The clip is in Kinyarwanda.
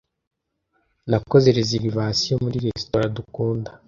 Nakoze reservation muri resitora dukunda.